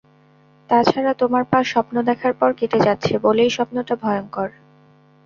তা ছাড়া তোমার পা স্বপ্ন দেখার পর কেটে যাচ্ছে বলেই স্বপ্নটা ভয়ংকর।